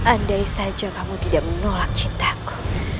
andai saja kamu tidak menolak cintaku